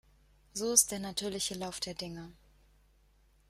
So ist der natürliche Lauf der Dinge.